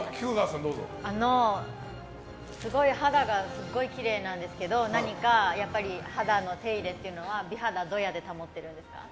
すごい肌がきれいなんですけど何か肌の手入れとか、美肌はどうやって保ってるんですか？